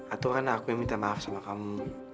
atau kan aku yang minta maaf sama kamu